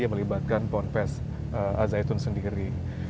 yang melibatkan pond pes al zaitun sendiri